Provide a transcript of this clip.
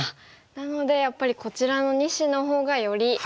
なのでやっぱりこちらの２子のほうがより危ない石。